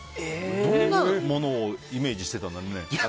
どんなものをイメージしてたんだろうね。